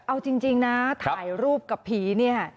เอาจริงนะถ่ายรูปกับผีเนี่ย